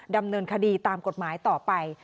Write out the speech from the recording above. ดำเนินคดีตามกฎหมายต่อไป